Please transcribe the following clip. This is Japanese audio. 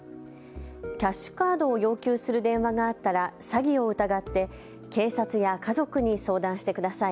キャッシュカードを要求する電話があったら詐欺を疑って警察や家族に相談してください。